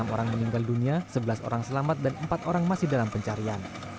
enam orang meninggal dunia sebelas orang selamat dan empat orang masih dalam pencarian